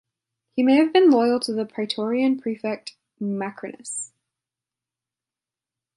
He may have been loyal to the praetorian prefect Macrinus.